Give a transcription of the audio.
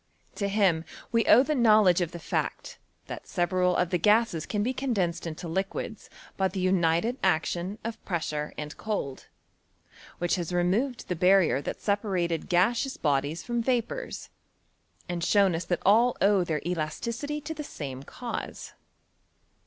To him we owe the knowledge of the fact, that several of the gases can be condensed into liquids by the united action of pressure and cold, which has removed the barrier that separated gaseous bodies from vapours, and shown us that all owe their elasticity to the same cause.